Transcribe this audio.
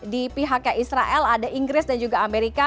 di pihaknya israel ada inggris dan juga amerika